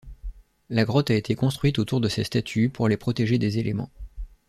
La grotte a été construite autour de ces statues pour les protéger des éléments.